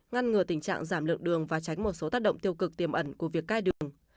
ngăn ngừa tình trạng giảm lượng đường và tránh một số tác động tiêu cực tiềm ẩn của việc cai đường